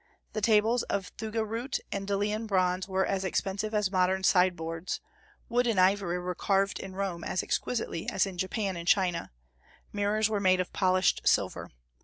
The tables of thuga root and Delian bronze were as expensive as modern sideboards; wood and ivory were carved in Rome as exquisitely as in Japan and China; mirrors were made of polished silver.